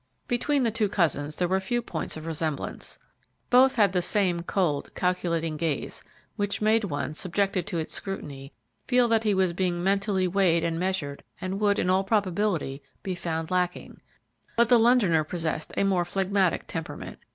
Between the two cousins there were few points of resemblance. Both had the same cold, calculating gaze, which made one, subjected to its scrutiny, feel that he was being mentally weighed and measured and would, in all probability, be found lacking; but the Londoner possessed a more phlegmatic temperament.